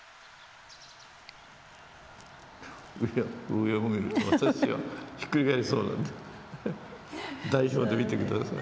上を見ると私はひっくり返りそうなんで代表で見て下さい。